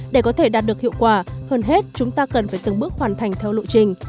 để có thể đạt được hiệu quả hơn hết chúng ta cần phải từng bước hoàn thành theo lộ trình